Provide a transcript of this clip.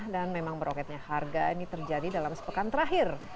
dan memang beroketnya harga ini terjadi dalam sepekan terakhir